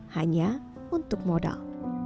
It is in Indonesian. hanya untuk modal